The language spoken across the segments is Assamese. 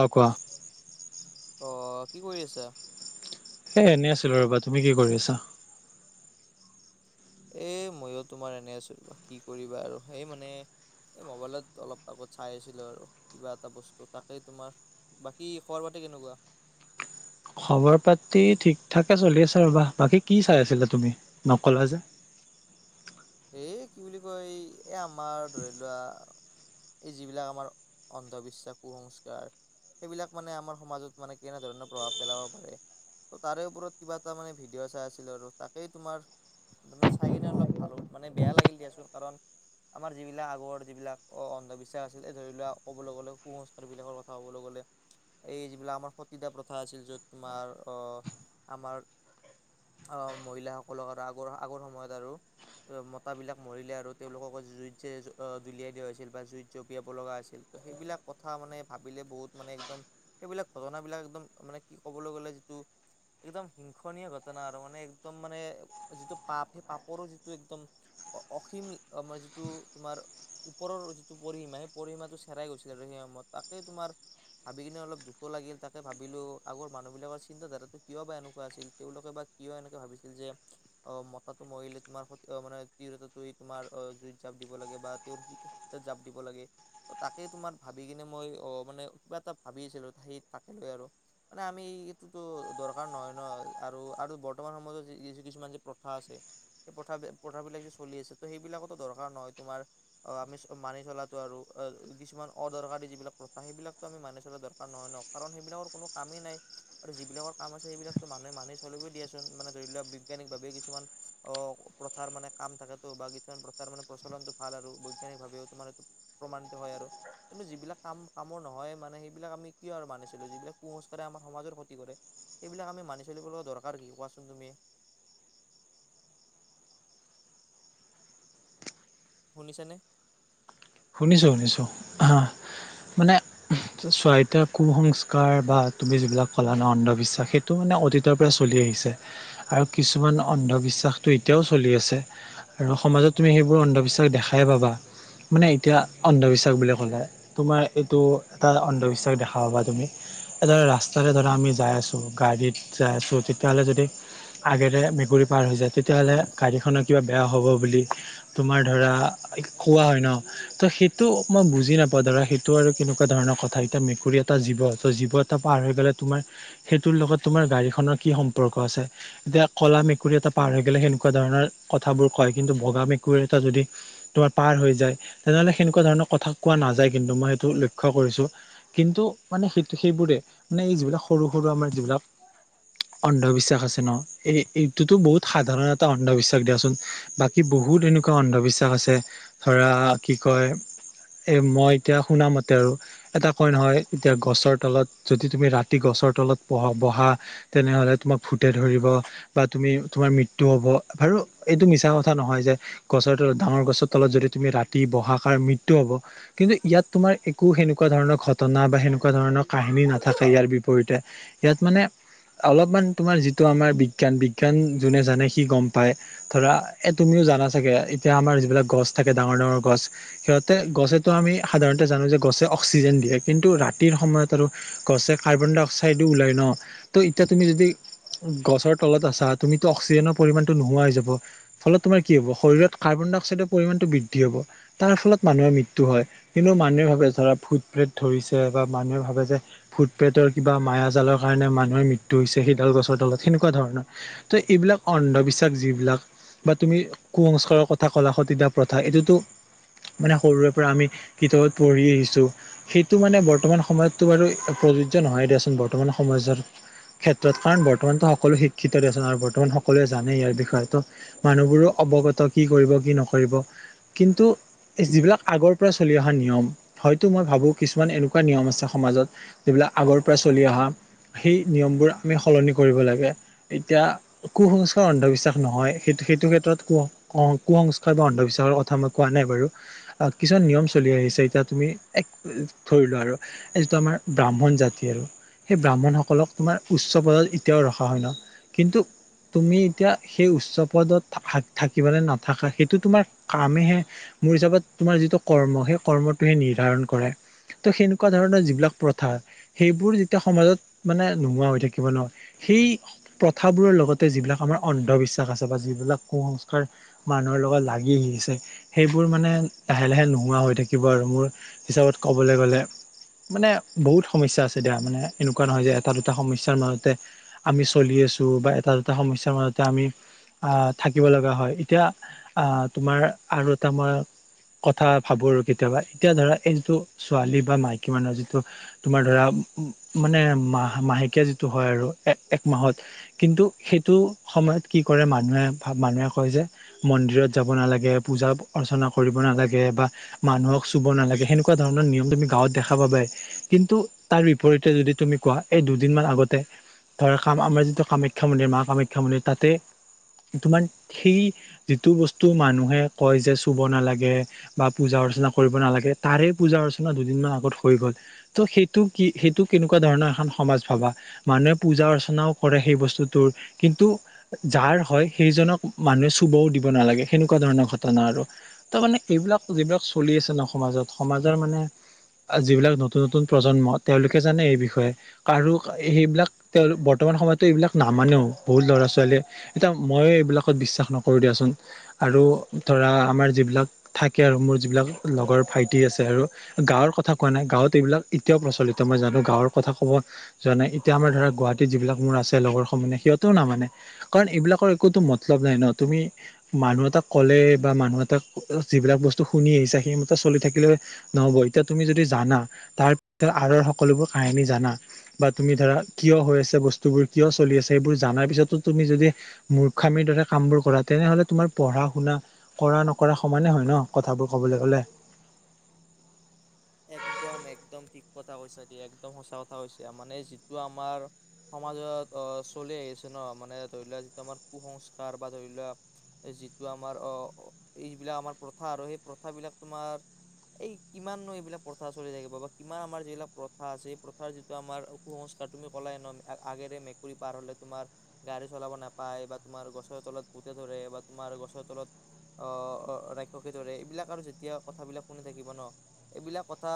অ কোৱা। অ কি কৰি আছা? এ এনেই আছিলো ৰ'বা, তুমি কি কৰি আছা? এ ময়ো তোমাৰ এনে আছো ৰবা কি কৰিবা আৰু সেই মানে এই মোবাইলত অলপ আগত চাই আছিলো আৰু কিবা এটা বস্তু তাকেই তোমাৰ বাকী খবৰ পাতি কেনেকোৱা? খবৰ পাতি ঠিক ঠাকে চলি আছে ৰবা বাকী কি চাই আছিলা তুমি নকলা যে? এই কি বুলি কয় এ আমাৰ ধৰি লোৱা এই যিবিলাক আমাৰ অন্ধবিশ্বাস কুসংস্কাৰ সেইবিলাক মানে আমাৰ সমাজত মানে কেনেধৰণৰ প্ৰভাৱ পেলাব পাৰে। ত' তাৰে ওপৰত কিবা এটা মানে ভিডিঅ' চাই আছিলো আৰু তাকেই তোমাৰ মানে চাই কিনে অলপ ভালো মানে বেয়া লাগিল দিয়াচোন কাৰণ আমাৰ যিবিলাক আগৰ যিবিলাক অ অন্ধবিশ্বাস আছিল এই ধৰি লোৱা ক'বলৈ গ'লে কুসংস্কাৰবিলাকৰ কথা ক'বলৈ গ'লে এই যিবিলাক আমাৰ সতীদাহ প্ৰথা আছিল য'ত তোমাৰ অ আমাৰ অ মহিলাসকলক আৰু আগৰ আগৰ সময়ত আৰু। মতাবিলাক মৰিলে আৰু তেওঁলোককো জুই যে দুলিয়াই দিয়া হৈছিল বা জুইত জপিয়াব লগা হৈছিল। ত' সেইবিলাক কথা মানে ভাবিলে বহুত মানে একদম সেইবিলাক ঘটনাবিলাক একদম মানে কি ক'বলৈ গ'লে যিটো একদম হিংসনীয় ঘটনা আৰু মানে একদম মানে যিটো পাপ সেই পাপৰো যিটো টো একদম অসীম মে যিটো তোমাৰ ওপৰৰ যিটো পৰিসিমা সেই পৰিসিমাটো চেৰাই গৈছে আৰু সেই সময়ত তাকেই তোমাৰ ভাবি কিনে অলপ দুখো লাগিল তাকে ভাবিলোঁ আগৰ মানুহবিলাকৰ চিন্তাধাৰাটো কিয় বা এনেকুৱা আছিল তেওঁলোকে বা কিয় এনেকে ভাবিছিল যে অ মতাটো মৰিলে তোমাৰ স অ মানে তিৰুতাটো তোমাৰ জুইত জাপ দিব লাগে বা তেওঁৰ শীতত জাপ দিব লাগে। তাকে তোমাৰ ভাবি কিনে মই অ মানে কিবা এটা ভাবি আছিলো সেই তাকে লৈ আৰু। মানে আমিটোতো দৰকাৰ নহয় ন আৰু আৰু বৰ্তমান সময়ত যি কিছুমান যে প্ৰথা আছে সেই প্ৰথা প্ৰথাবিলাক যে চলি আছে ত সেইবিলাকতো দৰকাৰ নহয় তোমাৰ অ আমি মানি চলাতো আৰু অ কিছুমান অদৰকাৰী যিবিলাক প্ৰথা সেইবিলাকতো আমি মানি চলা দৰকাৰ নহয় ন। কাৰণ সেইবিলাকৰ কোনো কামেই নাই। আৰু যিবিলাকৰ কাম আছে সেইিলাকতো মানুহে মানহে চলিবই দিয়াচোন মানে ধৰি লোৱা বিজ্ঞানিকভাৱে কিছুমান অ প্ৰথাৰ মানে কাম থাকেতটো বা কিছুমান প্ৰথাৰ মানে প্ৰচলনটো ভাল আৰু বৈজ্ঞানিক ভাৱেও তোমাৰ এইটো প্ৰমাণিত হয় আৰু। কিন্তু যিবিলাক কাম কামৰ নহয় মানে সেইবিলাক আমি কিয় আৰু মানিছিলোঁ যিবিলাক কুসংস্কাৰে আমাৰ সমাজৰ ক্ষতি কৰে। এইবিলাক আমি মানি চলিব লগা দৰকাৰ কি কোৱাচোন তুমি? শুনিছানে? শুনিছোঁ শুনিছোঁ হা মানে চোৱা এতিয়া কুসংস্কাৰ বা তুমি যিবিলাক ক'লা ন অন্ধবিশ্বাস টো মানে অতীতৰ পৰা চলি আহিছে আৰু কিছুমান অন্ধবিশ্বাসটো এতিয়াও চলি আছে। আৰু সমাজত তুমি সেইবোৰ অন্ধবিশ্বাস দেখাই পাবা। মানে এতিয়া অন্ধবিশ্বাস বুলি ক'লে তোমাৰ এইটো এটা অন্ধবিশ্বাস দেখা পাবা তুমি। এদ ৰাস্তাৰে ধৰা আমি যাই আছো গাড়ীত যাই আছো তেতিয়া হ'লে যদি আগেৰে মেকুৰী পাৰ হৈ যায় তেতিয়াহলে গাড়ীখনৰ কিবা বেয়া হ'ব বুলি তোমাৰ ধৰা কোৱা হয় ন। ত সেইটো মই বুজি নাপাও ধৰা সেইটো আৰু কেনেকুৱা ধৰণৰ কথা এতিয়া মেকুৰী এটা জীৱ ত জীৱ পাৰ হৈ গ'লে তোমাৰ সেইটোৰ লগত তোমাৰ গাড়ীখনৰ কি সম্পৰ্ক আছে? এতিয়া কলা মেকুৰী এটা পাৰ হৈ গলে সেনেকুৱা ধৰণৰ কথাবোৰ কয় কিন্তু বগা মেকুৰী এটা যদি তোমাৰ পাৰ হৈ যায় তেনেহলে সেনেকুৱা ধৰণৰ কথা কোৱা নাযায় কিন্তু মই সেইটো লক্ষ্য কৰিছো কিন্তু মানে সেইটো সেইবোৰে মানে এই যিবিলাক সৰু সৰু আমাৰ যিবিলাক অন্ধবিশ্বাস আছে ন এই এইটোতো বহুত সাধাৰণ এটা অন্ধবিশ্বাস দিয়াচোন বাক কি বহুত এনেকুৱা অন্ধবিশ্বাস আছে ধৰা কি কয় এ মই এতিয়া শুনামতে আৰু এটা কই নহয় এতিয়া গছৰ তলত যদি তুমি ৰাতি গছৰ তলত পা বহা তেনেহলে তোমাক ভুটে ধৰিব বা তুমি তোমাৰ মৃত্যু হব আৰু আৰু এইটো মিছা কথা নহয় যে গছৰ তলত ডাঙৰ গছৰ তলত যদি তুমি ৰাতি বহাষাৰ মৃত্যু হব কিন্তু ইয়াত তোমাৰ একো সেনেকুৱা ধৰণৰ ঘটনা বা সেনেকুৱা ধৰণৰ কাহিনী নাথাকে ইয়াৰ বিপৰীতে ইয়াত মানে অলপমান তোমাৰ যিটো আমাৰ বিজ্ঞান বিজ্ঞান যোনে জানে সি গম পায় ধৰা এ তুমিও জানা চাগে এতিয়া আমাৰ যিবিলাক গছ থাকে ডাঙৰ ডাঙৰ গছ সিহঁতে গছেতো আমি সাধাৰণতে জানো যে গছে অক্সিজেন দিয়ে কিন্তু ৰাতিৰ সময়ত আৰু গছে কাৰ্বন ডাই অক্সাইডো ওলায় ন ত' এতিয়া তুমি যদি গছৰ তলত আছা তুমিতো অক্সিজেনৰ পৰিমমানটো নোহোৱা হৈ যাব ফলত তোমাৰ কি হ'ব শৰীৰত কাৰ্বন ডাই অক্সাইডৰ পৰিমাণটো বৃদ্ধি হ'ব। তাৰ ফলত মানুহৰ মৃত্যু হয়। কিন্তু মানুহে ভাবে ধৰা ভুট প্ৰেট ধৰিছে বা মানুহে ভাবে যে ভুটপ্ৰেটৰ কিবা মায়াজ জালৰ কাৰণে মানুহৰ মৃত্যু হৈছে সেইডাল গছৰ তলত সেনেকুৱা ধৰণৰ। ত এইবিলাক অন্ধবিশ্বাস যিবিলাক বা তুমি কুসংস্কাৰৰ কথা কলা সতীদাহ প্ৰথা এইটোতো মানে সৰুৰে পৰা আমি কিতাপত পঢ়ি আহিছো। সেইটো মানে বৰ্তমান সময়ততো বাৰু প্ৰযোজ্য নহয় দিয়াচোন বৰ্তমান সময়ত ক্ষেত্ৰত। কাৰণ বৰ্তমানো সকলো শিক্ষিতো দিয়াচোন আৰু বৰ্তমান সকলোৱে জানে ইয়াৰ বিষয়ে ত মানুহবোৰো অৱগত কি কৰিব কি নকৰিব। কিন্তু এই যিবিলাক আগৰ পৰা চলি অহা নিয়ম, হয়তো মই ভাবোঁ কিছুমান এনেকুৱা নিয়ম আছে সমাজত যিবিলাক আগৰ পৰা চলি অহা সেই নিয়মবোৰ আমি সলনি কৰিব লাগে। এতিয়া কুসংস্কাৰ অন্ধবিশ্বাস নহয় সেইটো সেইটো ক্ষেত্ৰত ক অ কুসংস্কাৰ বা অন্ধবিশ্বাসৰ কথা মই কোৱা নাই বাৰু কিছুমান নিয়ম চলি আহিছে। এতিয়া তুমি এক ধৰিলোৱা আৰু এই যিটো আমাৰ ব্ৰাহ্মণ জাতি আৰু সেই ব্ৰাহ্মণসকলক তোমাৰ উচ্চ পদত এতিয়াও ৰখা হয় ন। কিন্তু তুমি এতিয়া সেই উচ্চ পদত থাকিব নে নাথাকা সেইটো তোমাৰ কামেহে মোৰ হিচাপত তোমাৰ যিটো কৰ্ম সেই কৰ্মটোহে নিৰ্ধাৰণ কৰে। ত' সেনেকুৱা ধৰণৰ যিবিলাক প্ৰথা সেইবোৰ যেতিয়া সমাজত মানে নোহোৱা হৈ থাকিব ন, সেই প্ৰথাবোৰৰ লগতে যিবিলাক আমাৰ অন্ধবিশ্বাস আছে বা যিবিলাক কুসংস্কাৰ মানুহৰ লগত লাগি আহিছে সেইবোৰ মানে লাহে লাহে নোহোৱা হৈ থাকিব আৰু মোৰ হিচাপত ক'বলৈ গ'লে। মানে বহুত সমস্যা আছে দিয়া মানে এনেকুৱা নহয় যে এটা দুটা সমস্যাৰ মাজতে আমি চলি আছো বা এটা দুটা সমস্যাৰ মাজতে আমি আহ থাকিব লগা হয়। এতিয়া আহ তোমাৰ আৰু এটা মই কথা ভাবো আৰু কেতিয়াবা। এতিয়া ধৰা এই যিটো ছোৱালী বা মাইকী মানুহৰ যিটো তোমাৰ ধৰা মানে মাহ-মাহেকীয়া যিটো হয় আৰু এ-এক মাহত কিন্তু সেইটো সময়ত কি কৰে মানুহে মানুহে কয় যে মন্দিৰত যাব নালাগে পূজা অৰ্চনা কৰিব নালাগে বা মানুহক চুব নালাগে সেনেকুৱা ধৰণৰ নিয়ম তুমি গাঁৱত দেখা পাবাই। কিন্তু তাৰ বিপৰীতে যদি তুমি কোৱা এই দুদিনমান আগতে ধৰ কাম আমাৰ যিটো কামাখ্যা মন্দিৰ মা কামাখ্যা মন্দিৰ তাতে তোমাৰ সেই যিটো বস্তু মানুহে কয় যে চুব নালাগে বা পূজা অৰ্চনা কৰিব নালাগে, তাৰে পূজা অৰ্চনা দুদিনমান আগত হৈ গ'ল। ত' সেইটো কি সেইটো কেনেকুৱা ধৰণৰ এখন সমাজ ভবা। মানুহে পূজা অৰ্চনাও কৰে সেই বস্তুটোৰ কিন্তু যাৰ হয় সেইজনক মানুহে চুবও দিব নালাগে সেনেকুৱা ধৰণৰ ঘটনা আৰু। তাৰ মানে এইবিলাক যিবিলাক চলি আছে ন সমাজত সমাজৰ মানে যিবিলাক নতুন নতুন প্ৰজন্ম তেওঁলোকে জানে এই বিষয়ে। কাৰো সেইবিলাক তেওঁ বৰ্তমান সময়তো এইবিলাক নামানেও বহুত ল'ৰা ছোৱালীয়ে এতিয়া ময়ো এইবিলাকত বিশ্বাস নকৰো দিয়াচোন। আৰু ধৰা আমাৰ যিবিলাক থাকে আৰু মোৰ যিবিলাক লগৰ ভাইটি আছে আৰু। গাঁৱৰ কথা কোৱা নাই, গাঁৱত এইবিলাক এতিয়াও প্ৰচলিত মই জানো গাঁৱৰ কথা কব জানে এতিয়া আমাৰ ধৰা গুৱাহাটীত যিবিলাক মোৰ আছে লগৰ সমহে সিহঁতেও নামানে। কাৰণ এইবিলাকৰ একোতো মতলব নাই ন, তুমি মানুহ এটাক ক'লে বা মানুহ এটা [inaudible] যিবিলাক বস্তু শুনি আহিছা সেইমতে চলি থাকিলে নহব এতিয়া তুমি যদি জানা তাৰপিছত আৰৰ সকলোবোৰ কাহিনী জানা বা তুমি ধৰা কিয় হৈ আছে বস্তুবোৰ, কিয় চলি আছে সেইবোৰ জনাৰ পিছতো তুমি যদি মূৰ্খামিৰ দৰে কাম বোৰ কৰা, তেনেহলে তোমাৰ পঢ়া শুনা কৰা নক নকৰা সমানেই হয় ন, কথাবোৰ ক'বলে গ'লে। একদম একদম ঠিক কথা কৈছা দিয়া, একদম সঁচা কথা কৈছা মানে যিটো আমাৰ সমাজত অ চলি আহি আছে ন, মানে ধৰি লোৱা যিটো আমাৰ কুসংস্কাৰ বা ধৰি লোৱা যিটো আমাৰ অ', এইবিলাক আমাৰ প্ৰথা আৰু সেই প্ৰথাবিলাক তোমাৰ এই কিমান নু বিলাক প্ৰথা চলি থাকিব বা কিমান আমাৰ যিবিলাক প্ৰথা আছে প্ৰথাৰ যিটো আমাৰ কুসুস্কাৰ তুমি ক'লাই ন আগেৰে মেকুৰী পাৰ হলে তোমাৰ গাড়ী চলাব নাপায়, বা তোমাৰ গছৰ তলত ভূতে ধৰে বা তোমাৰ গছৰ তলত অ অ ৰাক্ষসে ধৰে এইবিলাক আৰু যেতিয়া কথাবিলাক শুনি থাকিব ন এইবিলাক কথা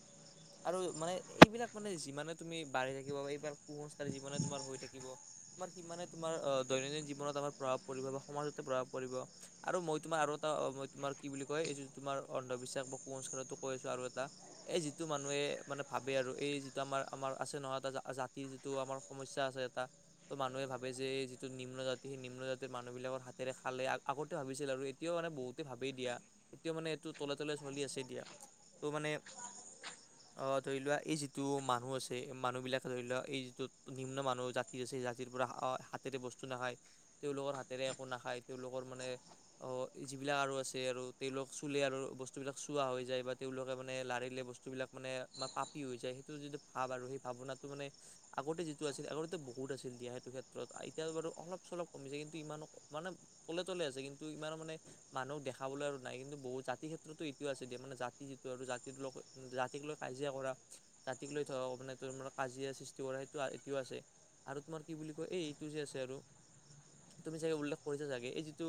[unintelligible] আৰু মানে এইবিলাক মানে যিমানে তুমি বাঢ়ি থাকিব বা এইবাৰ কুসংস্কাৰ যিমানে তোমাৰ হৈ থাকিব তোমাৰ সিমানে তোমাৰ অ দৈনন্দিন জীৱনত আমাৰ প্ৰভাৱ পৰিব বা সমাজতে প্ৰভাৱ পৰিব। আৰু মই তোমাৰ আৰু এটা মই তোমাৰ কি বুলি কয় এইযোন তোমাৰ অন্ধবিশ্বাস বা কুসংস্কাৰৰটো কৈ আছো আৰু এটা এই যিটো মানুহে মানে ভাবে আৰু এই যিটো আমাৰ আমাৰ আছে নহয় এটা জাতিৰ যিটো আমাৰ সমস্যা আছে এটা ত' মানুহে ভাবে যে যিটো নিম্ন জাতি সেই নিম্ন জাতিৰ মানুহ বিলাকৰ হাতেৰে খালে আগ আগতে ভাবিছিল আৰু এতিয়াও মানে বহুতে ভাবেই দিয়া, এতিয়াও মানে এইটো তলে তলে চলি আছেই দিয়া। ত মানে [unintelligible] অ', ধৰি লোৱা এই যিটো মানুহ আছে, এই মানুহ বিলাকে ধৰি লোৱা এই যিটো নিম্ন মানুহ জা জাতিৰ পৰা হাতেৰে বস্তু নাখায় তেওঁলোকৰ হাতেৰে একো নাখায় তেওঁলোকৰ মানে অ', যিবিলাক আৰু আছে আৰু তেওঁলোক চুলে আৰু বস্তু বিলাক চোৱা হৈ যায়। বা তেওঁলোকে মানে লাৰিলে বস্তুবিলাক মানে পাপি হৈ যায় সেইটো যিটো ভাৱ আৰু সেই ভাৱনাটো মানে আগতে যিটো আছিল আগতে বহুত আছিল দিয়া সেইটো ক্ষেত্ৰত, এতিয়া বাৰু অলপ চলপ কমিছে কিন্তু ইমানো মানে তলে তলে আছে কিন্তু ইমান মানে মানুহক দেখাবলৈ আৰু নাই কিন্তু বহুত জাতি ক্ষেত্ৰতো এটোও আছে দিয়া মানে জা জাতি যিটো আৰু জাতিৰ লগ জাতিক লৈ কাজিয়া কৰা জাতিক লৈ থক মানে তোৰ মানে কাজিয়া সৃষ্টি কৰা সেইটো এইটোও আছে। আৰু তোমাৰ কি বুলি কয় এই এইটো যে আছে আৰু তুমি চাগে উল্লেখ কৰিছা চাগে এই যিটো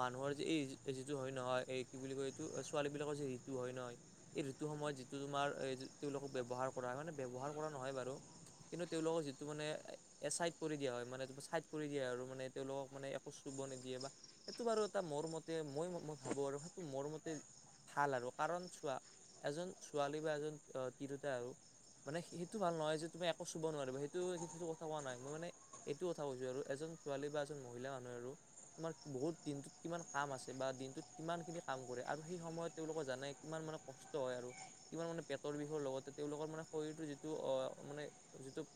মানুহৰ যে এই যিটো হয় নহয়, এই কি বুলি কয় এইটো ছোৱালী বিলাকৰ যে ঋতু হয় নই। এই ঋতু সময়ত যিটো তোমাৰ তেওঁলোকক ব্যৱহাৰ কৰা হয় মানে ব্যৱহাৰ কৰা নহয় বাৰু। কিন্তু তেওঁলোকক যিটো মানে এ চাইড কৰি দিয়া হয়, মানে তুমা চাইড কৰি দিয়া আৰু মানে তেওঁলোকক মানে একো চুব নিদিয়ে বা সেইটো বাৰু এটা মোৰ মতে মই মই ভাবো আৰু সেইটো মোৰ মতে ভাল আৰু কাৰণ চোৱা এজন ছোৱালী বা এজন আ তিৰোতাই আৰু মানে সেইটো ভাল নহয় যে তুমি একো চুব নোৱাৰিবা সেইটো সেইটো কথা কোৱা নাই, মই মানে এইটো কথা কৈছো আৰু এজন ছোৱালী বা এজন মহিলা মানুহে আৰু তোমাৰ বহুত দিনটোত কিমান কাম আছে বা দিনটোত কিমানখিনি কাম কৰে আৰু সেই সময়ত তেওঁলোকৰ জানাই কিমান মানে কষ্ট হয় আৰু। কিমান মানে পেটৰ বিষৰ লগতে তেওঁলোকৰ মানে শৰীৰটো যিটো আহ মানে যিটো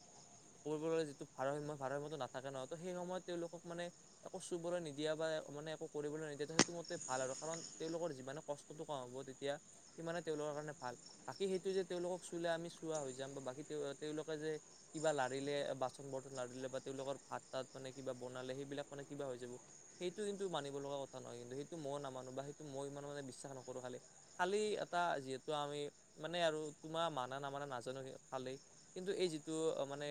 পূৰ্বৰে যিটো ভাৰসাম্য ভাৰসাম্যটো নাথাকে নহয় ত সেই সময়ত তেওঁলোকক মানে একো চুবলৈ নিদিয়া বা মানে একো কৰিবলৈ নিদিয়া তো সেইটো মতে ভাল আৰু কাৰণ তেওঁলোকৰ যিমানে কষ্টটো কম হ'ব। দিয়া সিমানে তেওঁলোকৰ কাৰণে ভাল। বাকী সেইটো যে তেওঁলোকক চুলে আমি চুৱা হৈ যাম। বা বাকী তেওঁ তেওঁলোকে যে কিবা লাৰিলে বাচন বৰ্তন লাৰিলে বা তেওঁলোকৰ ভাত তাত মানে কিবা বনালে সেইবিলাক মানে কিবা হৈ যাব। সেইটো কিন্তু মানিব লগা কথা নহয় কিন্তু সেইটো মইও নামানো বা সেইটো মই ইমান মানে বিশ্বাস নকৰো খালি- খালী এটা যিহেতু আমি মানে আৰু তোমাৰ মানা নামানা নাজানো খালী- কিন্তু এই যিটো অ মানে।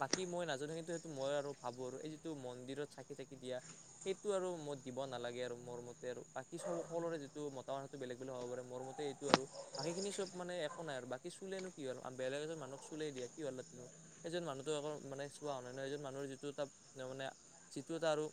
বাকী মই নাজানো কিন্তু সেইটো মই আৰু ভাবো আৰু এই যিটো মন্দিৰত চাকি থাকি দিয়া। সেইটো আৰু মত দিব নালাগে আৰু মোৰ মতে আৰু বাকী সব সকলৰে যিটো মতামত সেইটো বেলেগ বুলি ভ'ব পাৰে মোৰ মতে এইটো আৰু বাকী খিনি চব মানে একো নাই আৰু বাকী চুলেনো কি হ'ল আৰু বেলেগ এজন মানুহক চুলাই দিয়া কি হ'ল সেইজন মানুহটো আকৌ মানে চুৱা হোৱা নাই না এজন মানুহৰ যিটো এটা মানে যিটো এটা আৰু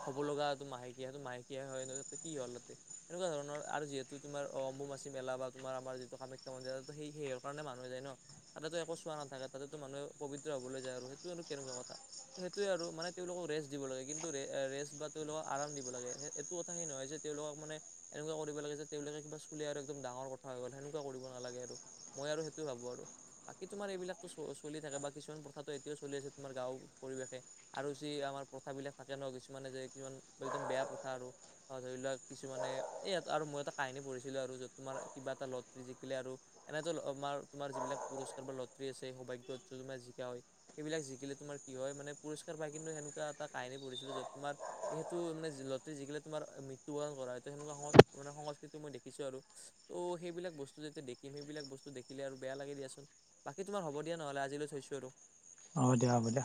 হ'ব লগাটো মাহেকীয়া সেইটো মাহেকীয়া হয় তাতে কি হল তাতে এনেকুৱা ধৰণৰ- আৰু যিহেতু তোমাৰ অম্বুবাচী মেলা বা তোমাৰ আমাৰ যিটো কামাখ্যা, মন্দিৰত সেই সেইহৰ কাৰণে মানুহে যায়। ন তাতেটো একো চূৱা নাথাকে তাতেতো মানুহে পবিত্ৰ, হ'বলৈ যায়। আৰু সেইটো আৰু তেনেকুৱা কথা। সেইটোয়ে আৰু মানে তেওঁলোকক ৰেষ্ট দিব লাগে কিন্তু ৰেষ্ট বা তেওঁলোকক আৰাম দিব লাগে। এইটো কথা সেই নহয় যে তেওঁলোকক মানে এনেকুৱা কৰিব লাগে যে তেওঁলোকে কিবা চুলে আৰু একদম ডাঙৰ কথা হৈ গ'ল সেনেকুৱা কৰিব নালাগে আৰু মই আৰু সেইটো ভাবোঁ। আৰু বাকী তোমাৰ এইবিলাকতো চ চলি থাকে বা কিছুমান প্ৰথাটো এতিয়াও চলি আছে তোমাৰ গাঁওৰ পৰিৱেশে। আৰু যি আমাৰ প্ৰথাবিলাক থাকে ন কিছুমানে যে কিছুমান একদম বেয়া প্ৰথা আৰু আৰু ধৰি লোৱা কিছুমানে এইয়াত আৰু মই এটা কাহিনী পঢ়িছিলোঁ আৰু য'ত তোমাৰ কিবা এটা লত ফিজিকেলি আৰু এনেতোল অমাৰ তোমাৰ যিবিলাক পুৰস্কাৰ বা লটৰী আছে সৌভাগ্য তোমাৰ জিকা হয়। সেইিলাক জিকিলে তোমাৰ কি হয় মানে পুৰস্কাৰ পায় কিন্তু সেনেকোৱা এটা কাহিন পঢ়িছিলো যত তোমাৰ সেইটো মানে যি লটৰি্ যিকিলে তোমাৰ মৃত্যু বৰণ কৰা হয় ত সেনেকুৱা সময়ত- সেইটো মই দেখিছো আৰু ত' সেইবিলাক বস্তু যেতিয়া দেখিম সেইবিলাক বস্তু দেখিলে আৰু বেয়া লাগে দিয়াচোন। বাকী তোমাৰ হব দিয়া নহ'লে আজিলৈকে থৈছো আৰু হব দিয়া হ'ব দিয়া